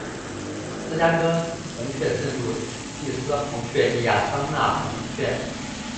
芝加哥红雀圣路易斯红雀亚利桑那红雀